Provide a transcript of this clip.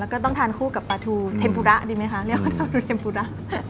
แล้วก็ต้องทานคู่กับปลาทูเทมปุระดีไหมคะเรียกว่าปลาทูเทมภูระ